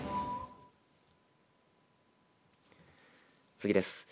次です。